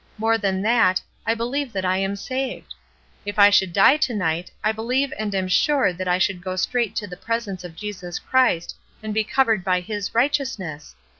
More than that, I beUeve that I am saved. If I should die to night, I beUeve and am sure that I should go straight to the presence of Jesus Christ and be covered by His righteousness.